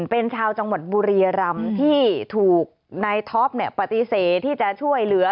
เป็นชาวจังหวัดบุรียรำที่ถูกนายท็อปปฏิเสธที่จะช่วยเหลือ